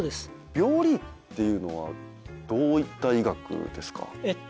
病理医っていうのはどういった医学ですか？